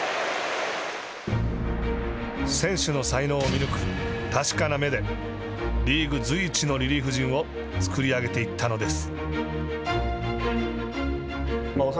選手の才能を見抜く確かな目でリーグ随一のリリーフ陣を作り上げていったのです。